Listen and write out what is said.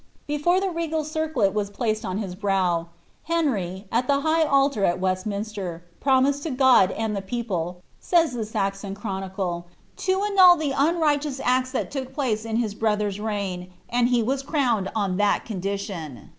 Before he regal circlet was placed on his brow, ^ Henry, at the high altar at kVestminster, promised to God and the people,'' says the Saxon Chroni de, ^ to annul the unrighteous acts that took place in his brother's reign, ind he was crowned on that condition."